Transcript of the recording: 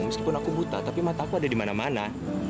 meskipun aku buta tapi mata aku ada dimana mana